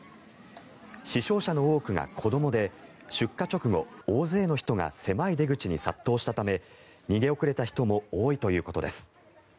死傷者の多くが子どもで出火直後、大勢の人が狭い出口に殺到したため逃げ遅れた人も多いということです。